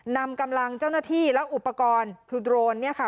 นำกำลังเจ้าหน้าที่แล้วอุปกรณ์คือโดรนเนี่ยค่ะ